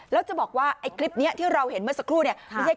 แล้วจะบอกว่าไอ้คลิปนี้ที่เราเห็นเมื่อสักครู่เนี่ยไม่ใช่